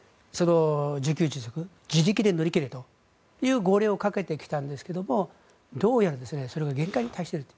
自給自足、自力で乗り越えろという号令をかけてきたんですがどうやらそれが限界に達していると。